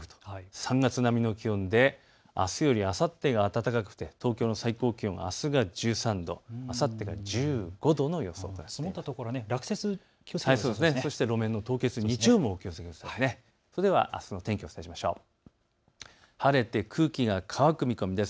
３月並みの気温であすよりあさってが暖かくて東京の最高気温、あすが１３度、あさってが１５度の予想です。